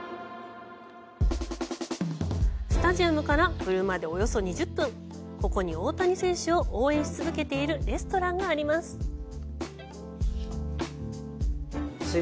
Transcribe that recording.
スタジアムから車でおよそ２０分、ここに大谷選手を応援し続けているレストランがあります。